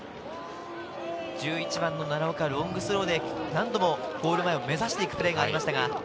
１１番の奈良岡、ロングスローで何度もゴール前を目指していくプレーがありました。